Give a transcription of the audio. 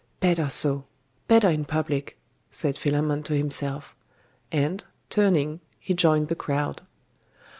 'Better so; better in public,' said Philammon to himself; and, turning, he joined the crowd.